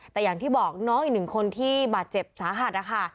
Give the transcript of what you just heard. แต่อย่างที่บอกน้องอีกหนึ่งคนที่บาดเจ็บสาหัสนะคะ